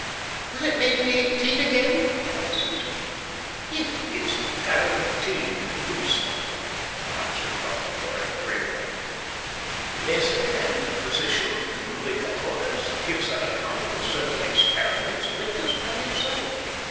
"Will it make me eighteen again?" cried Susie. "It is guaranteed to do so," answered Dr Porhoët gravely. "Lesebren, a physician to Louis XIV, gives an account of certain experiments witnessed by himself.